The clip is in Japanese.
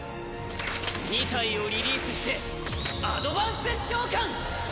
２体をリリースしてアドバンス召喚！